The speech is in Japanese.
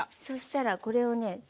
そしたらこれをね